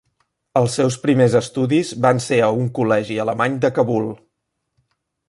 Els seus primers estudis van ser a un col·legi alemany de Kabul.